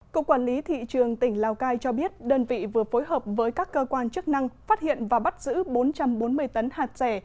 cục quản lý thị trường tỉnh lào cai cho biết đơn vị vừa phối hợp với các cơ quan chức năng phát hiện và bắt giữ bốn trăm bốn mươi tấn hạt rẻ